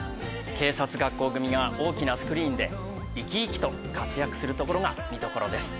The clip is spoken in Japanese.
警察学校組が大きなスクリーンで生き生きと活躍するところが見どころです。